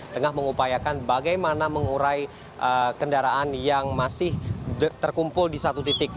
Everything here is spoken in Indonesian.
tengah mengupayakan bagaimana mengurai kendaraan yang masih terkumpul di satu titik